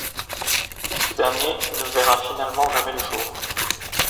Ce dernier ne verra finalement jamais le jour.